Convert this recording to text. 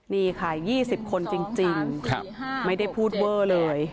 นี่ค่ะ๒๐คนจริงไม่ได้พูดเวอร์เลย